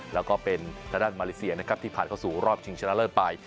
แล้วก็เป็นทดาษมาเลเซียที่พัดเข้าสู่รอบชิงชนะเลอร์ไป